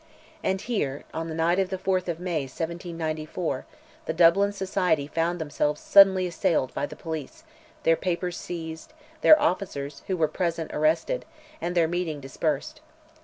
And here, on the night of the 4th of May, 1794, the Dublin society found themselves suddenly assailed by the police, their papers seized, their officers who were present arrested, and their meeting dispersed.